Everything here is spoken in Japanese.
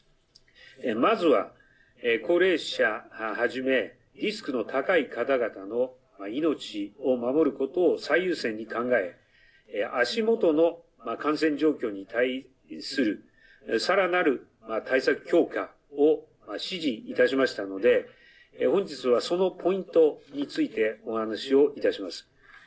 まずは、高齢者をはじめリスクの高い方々の命を守ることを最優先に考え足元の感染状況に対するさらなる対策強化を指示いたしましたので本日は、そのポイントについてお話をいたします。